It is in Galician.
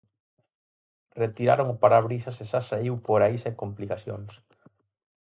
Retiraron o parabrisas e xa saíu por aí sen complicacións.